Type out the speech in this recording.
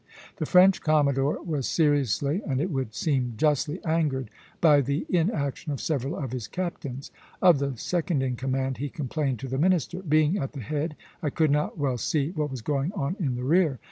The French commodore was seriously, and it would seem justly, angered by the inaction of several of his captains. Of the second in command he complained to the minister: "Being at the head, I could not well see what was going on in the rear.